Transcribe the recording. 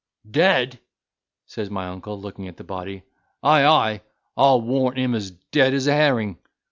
"Dead!" (says my uncle, looking, at the body) "ay, ay, I'll warrant him as dead as a herring.